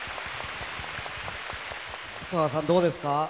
ふかわさん、どうですか？